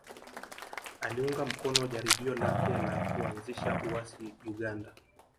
Aliunga mkono jaribio lake la kuanzisha uasi Uganda